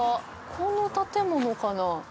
この建物かな。